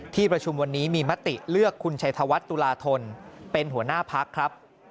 ที่ประชุมวันนี้มีมติเลือกคุณชัยธวัฒน์ตุลาธนเป็นหัวหน้าพักครับ